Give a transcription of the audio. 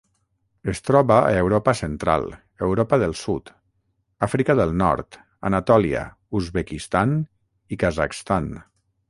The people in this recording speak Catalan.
Es troba a Europa Central, Europa del Sud, Àfrica del Nord, Anatòlia, Uzbekistan i Kazakhstan.